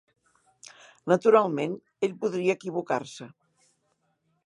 Naturalment, ell podria equivocar-se.